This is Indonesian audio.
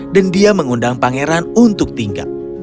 dan dia mengundang pangeran untuk tinggal